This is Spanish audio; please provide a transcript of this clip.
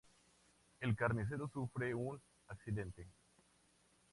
El carnicero sufre un ¿accidente?